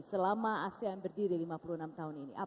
selama asean berdiri lima puluh enam tahun ini